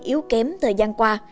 yếu kém thời gian qua